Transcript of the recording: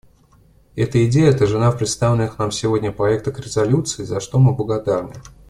Эта идея отражена в представленных нам сегодня проектах резолюций, за что мы благодарны.